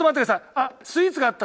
あっスイーツがあった！